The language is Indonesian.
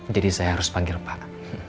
jadi saya harus panggil pak